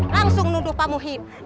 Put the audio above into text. langsung nuduh pak muhyiddin